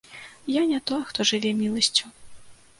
Я не той, хто жыве міласцю.